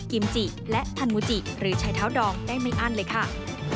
กิมจิและทันมูจิหรือชายเท้าดองได้ไม่อั้นเลยค่ะ